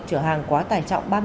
trở hàng quá tài trọng